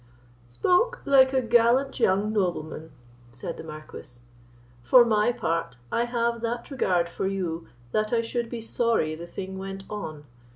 "Spoke like a gallant young nobleman," said the Marquis; "for my part, I have that regard for you, that I should be sorry the thing went on.